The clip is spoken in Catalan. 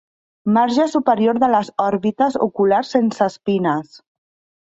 Marge superior de les òrbites oculars sense espines.